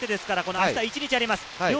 明日一日あります。